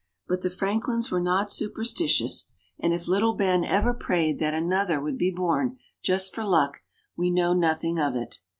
But the Franklins were not superstitious, and if little Ben ever prayed that another would be born, just for luck, we know nothing of it.